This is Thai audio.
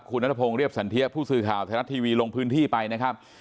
คุณนัทพงศ์เรียบสันเทียผู้สื่อข่าวไทยรัฐทีวีลงพื้นที่ไปนะครับ